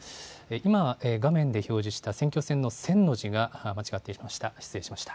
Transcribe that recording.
今、画面で表示した選挙戦のせんの字が間違っていました。